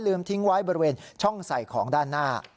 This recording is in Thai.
ทิ้งไว้บริเวณช่องใส่ของด้านหน้า